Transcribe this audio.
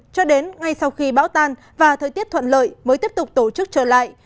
cho đến ngay sau khi bão tan và thời tiết thuận lợi mới tiếp tục tổ chức trở lại